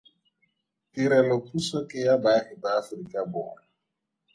Tirelopuso ke ya baagi ba Aforika Borwa.